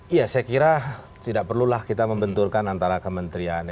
iya saya kira tidak perlulah kita membenturkan antara kementerian